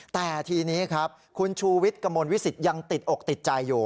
แต่ทีนี้ครับคุณชูวิทย์กระมวลวิสิตยังติดอกติดใจอยู่